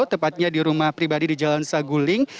tepatnya di rumah pribadi di jalan saguling